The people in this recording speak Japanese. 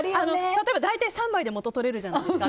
例えば大体３杯ぐらいで元取れるじゃないですか。